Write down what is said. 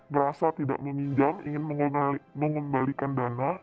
merasa tidak meminjam ingin mengembalikan dana